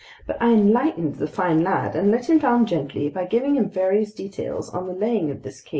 But I enlightened the fine lad and let him down gently by giving him various details on the laying of this cable.